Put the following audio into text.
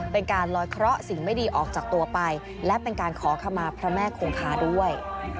เป็นการลอยเคราะห์สิ่งไม่ดีออกจากตัวไปและเป็นการขอขมาพระแม่คงคาด้วย